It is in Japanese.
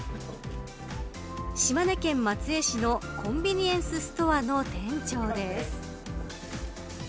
島根県松江市のコンビニエンスストアの店長です。